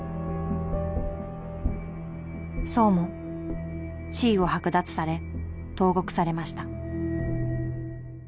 荘も地位を剥奪され投獄されました。